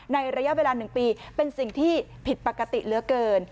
ระยะเวลา๑ปีเป็นสิ่งที่ผิดปกติเหลือเกิน